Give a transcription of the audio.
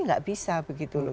tidak bisa begitu loh